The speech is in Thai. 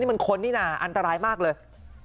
มันคนนี่น่ะอันตรายมากเลย